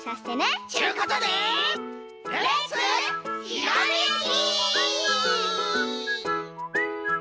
ちゅうことでレッツひらめき！